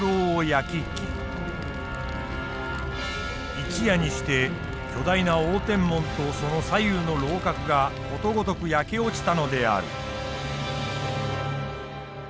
一夜にして巨大な応天門とその左右の楼閣がことごとく焼け落ちたのである。